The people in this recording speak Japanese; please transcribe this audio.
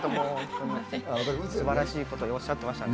素晴らしいことをおっしゃってますよ。